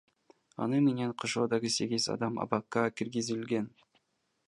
Аны менен кошо дагы сегиз адам абакка киргизилген.